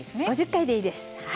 ５０回でいいです。